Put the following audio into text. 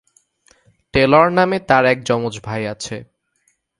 Taylor নামে তার এক যমজ ভাই আছে।